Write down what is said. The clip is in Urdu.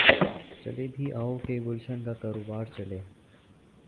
چلے بھی آؤ کہ گلشن کا کاروبار چلے